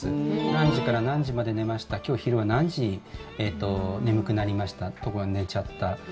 何時から何時まで寝ました今日は昼は何時に眠くなりましたとか寝ちゃった。